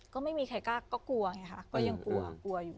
ก็ไม่มีใครกล้าก็กลัวไงค่ะก็ยังกลัวกลัวอยู่